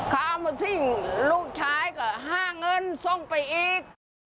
เอามาทิ้งลูกชายก็ห้าเงินส่งไปอีก